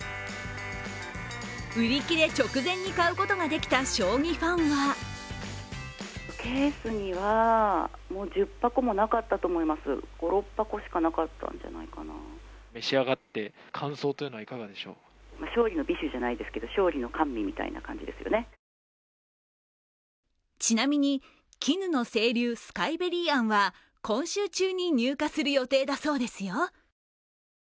売り切れ直前に買うことができた将棋ファンはちなみに、きぬの清流スカイベリー餡は今週中に入荷する予定だそうですよ。